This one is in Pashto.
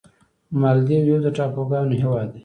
مالدیو یو د ټاپوګانو هېواد دی.